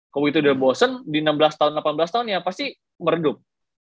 kalau itu udah bosen di enam belas tahun delapan belas tahun ya pasti meredup